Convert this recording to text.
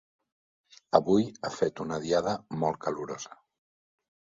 Avui ha fet una diada molt calorosa.